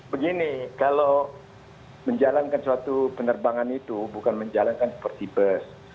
begini kalau menjalankan suatu penerbangan itu bukan menjalankan seperti bus